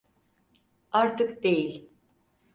Artık değil.